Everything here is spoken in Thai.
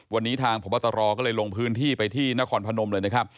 วันนี้ทางพบตรก็เลยลงพื้นที่ไปที่นครพนมเลยนะครับ